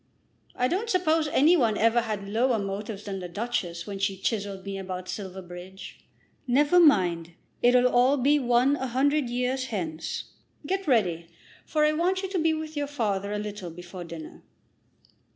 I don't suppose any one ever had lower motives than the Duchess when she chiselled me about Silverbridge. Never mind; it'll all be one a hundred years hence. Get ready, for I want you to be with your father a little before dinner."